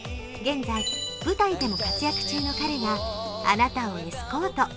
現在、舞台でも活躍中の彼があなたをエスコート。